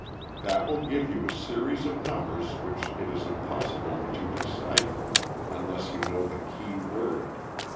That will give you a series of numbers which it is impossible to decipher unless you know the key word.